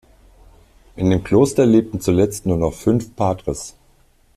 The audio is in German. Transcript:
In dem Kloster lebten zuletzt nur noch fünf Patres.